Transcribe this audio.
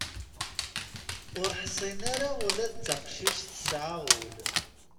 Ur ḥsin ara ula d taqcict tesɛa ul.